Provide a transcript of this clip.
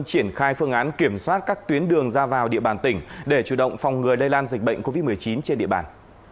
triển khai phương án kiểm soát các tuyến đường ra vào địa bàn tỉnh để chủ động phòng ngừa lây lan dịch bệnh covid một mươi chín trên địa bàn